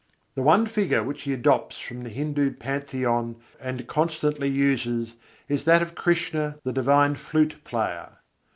] The one figure which he adopts from the Hindu Pantheon and constantly uses, is that of Krishna the Divine Flute Player.